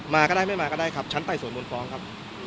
ก็ได้ไม่มาก็ได้ครับชั้นไต่สวนมูลฟ้องครับ